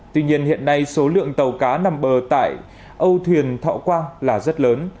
tuy nhiên hiện nay số lượng tàu cá nằm bờ tại âu thuyền thọ quang là rất lớn